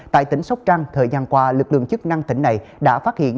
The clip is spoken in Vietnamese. tại tỉnh sóc trăng thời gian qua lực lượng chức năng tỉnh này đã phát hiện